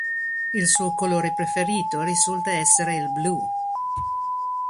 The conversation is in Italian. Il suo colore preferito risulta essere il blu.